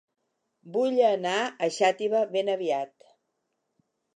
Vull anar a Xàtiva ben aviat